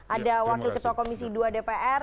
ada wakil ketua komisi dua dpr